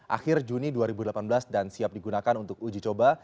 akhir juni dua ribu delapan belas dan siap digunakan untuk uji coba